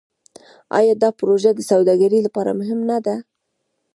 آیا دا پروژه د سوداګرۍ لپاره مهمه نه ده؟